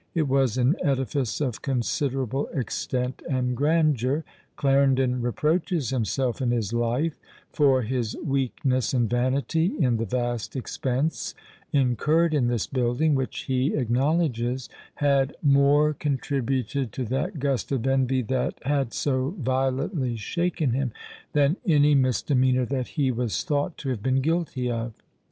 It was an edifice of considerable extent and grandeur. Clarendon reproaches himself in his Life for "his weakness and vanity" in the vast expense incurred in this building, which he acknowledges had "more contributed to that gust of envy that had so violently shaken him, than any misdemeanour that he was thought to have been guilty of."